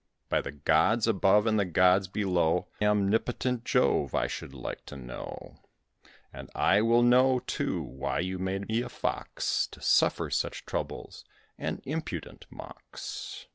By the gods above and the gods below, Omnipotent Jove! I should like to know, And I will know, too, why you made me a Fox To suffer such troubles and impudent mocks."